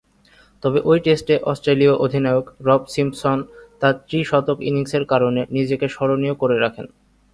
তবে, ঐ টেস্টে অস্ট্রেলীয় অধিনায়ক বব সিম্পসন তার ত্রি-শতক ইনিংসের কারণে নিজেকে স্মরণীয় করে রাখেন।